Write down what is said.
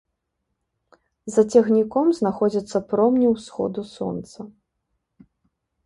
За цягніком знаходзяцца промні ўсходу сонца.